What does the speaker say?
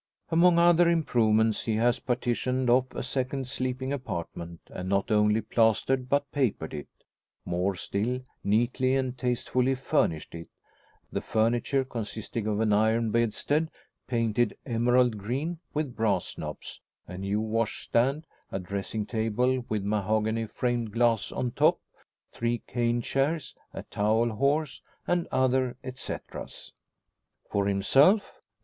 Among other improvements he has partitioned off a second sleeping apartment, and not only plastered but papered it. More still, neatly and tastefully furnished it; the furniture consisting of an iron bedstead, painted emerald green, with brass knobs; a new washstand, and dressing table with mahogany framed glass on top, three cane chairs, a towel horse, and other etceteras. For himself?